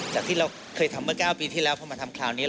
จากที่เราเคยทำเมื่อ๙ปีที่แล้วพอมาทำคราวนี้